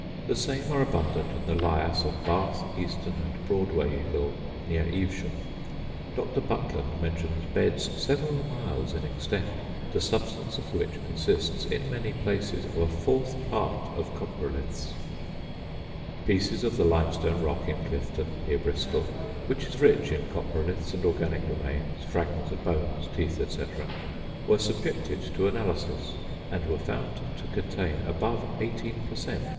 The same are abundant in the lias of Bath, Eastern and Broadway Hill, near Evesham. Dr. Buckland mentions beds, several miles in extent, the substance of which consists, in many places, of a fourth part of coprolithes. Pieces of the limestone rock in Clifton, near Bristol, which is rich in coprolithes and organic remains, fragments of bones, teeth, &c., were subjected to analysis, and were found to contain above 18 per cent.